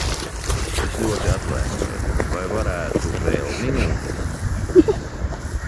Es ļoti atvainojos, vai varētu vēl minūti?